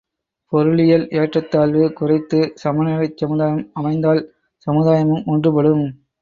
பொருளியல் ஏற்றத்தாழ்வு குறைந்து சமநிலைச் சமுதாயம் அமைந்தால் சமுதாயமும் ஒன்றுபடும்.